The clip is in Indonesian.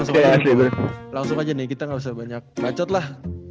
oke langsung aja nih kita gak usah banyak racot lah